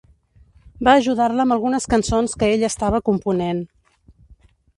Va ajudar-la amb algunes cançons que ella estava component.